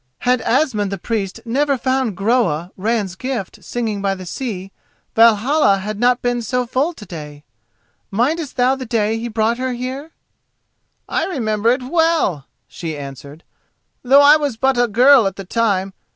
"Had Asmund the Priest never found Groa, Ran's gift, singing by the sea, Valhalla had not been so full to day. Mindest thou the day he brought her here?" "I remember it well," she answered, "though I was but a girl at the time.